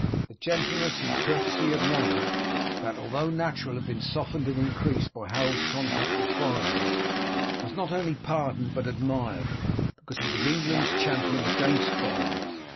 The gentleness and courtesy of manner that, although natural, had been softened and increased by Harold's contact with foreigners, was not only pardoned but admired because he was England's champion against foreigners.